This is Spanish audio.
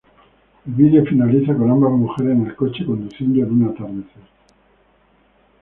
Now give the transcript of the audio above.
El vídeo finaliza con ambas mujeres en el coche conduciendo en un atardecer.